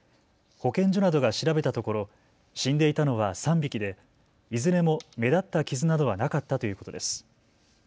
保健所などが調べたところ死んでいたのは３匹でいずれも目立った傷などはなかったということです。